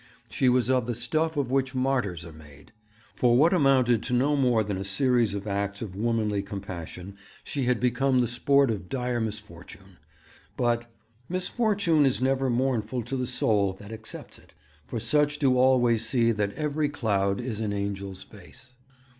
She was of the stuff of which martyrs are made. For what amounted to no more than a series of acts of womanly compassion she had become the sport of dire misfortune; but 'misfortune is never mournful to the soul that accepts it; for such do always see that every cloud is an angel's face.'